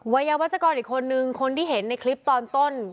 วัยวัชกรอีกคนนึงคนที่เห็นในคลิปตอนต้น